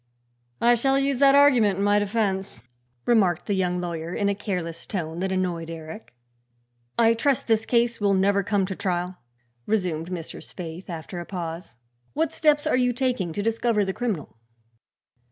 "I shall use that argument in my defense," remarked the young lawyer in a careless tone that annoyed Eric. "I trust this case will never come to trial," resumed Mr. Spaythe after a pause. "What steps are you taking to discover the criminal?"